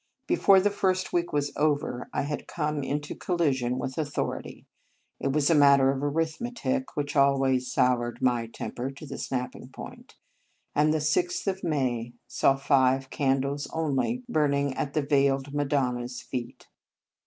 Before the first week was over, I had come into col 16 Marianus lision with authority (it was a matter of arithmetic, which always soured my temper to the snapping point) ; and the sixth of May saw five candles only burning at the veiled Madonna s feet.